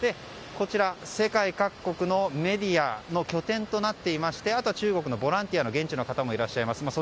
こちら、世界各国のメディアの拠点となっていましてあとは中国の現地の方もいらっしゃいます。